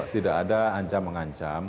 tidak ada ancam mengancam